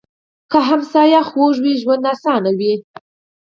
که ګاونډي خوږ وي، ژوند اسان وي